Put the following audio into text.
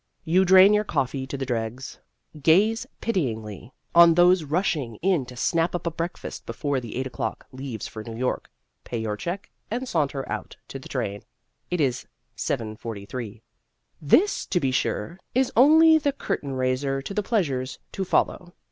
You drain your coffee to the dregs; gaze pityingly on those rushing in to snap up a breakfast before the 8 o'clock leaves for New York, pay your check, and saunter out to the train. It is 7:43. This, to be sure, is only the curtain raiser to the pleasures to follow.